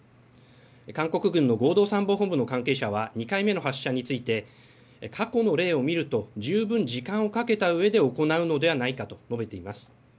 韓国軍の合同参謀本部の関係者は２回目の発射について過去の例を見ると十分時間をかけたうえで行うのではないかと述べています。